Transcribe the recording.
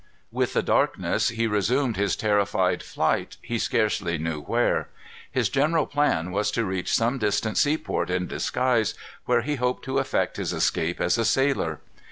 With the darkness he resumed his terrified flight, he scarcely knew where. His general plan was to reach some distant seaport in disguise, where he hoped to effect his escape as a sailor.